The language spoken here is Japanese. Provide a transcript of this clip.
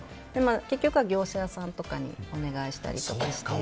結局は業者さんとかにお願いしたりして。